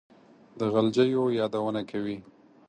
د غلجیو یادونه کوي.